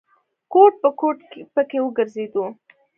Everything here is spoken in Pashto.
ګوټ په ګوټ پکې وګرځېدو.